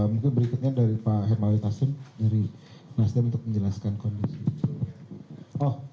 mungkin berikutnya dari pak hermawi tasim dari nasdem untuk menjelaskan kondisi